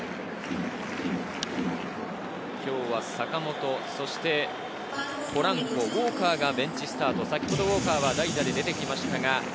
今日は坂本、ポランコ、ウォーカーがベンチスタート、先ほどウォーカーは代打で出てきました。